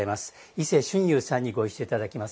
伊勢俊雄さんにご一緒いただきます。